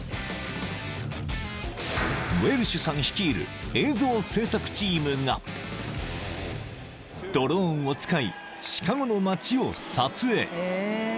［ウェルシュさん率いる映像制作チームがドローンを使いシカゴの街を撮影］